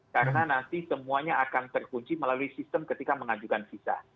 karena nanti semuanya akan terkunci melalui sistem ketika mengajukan visa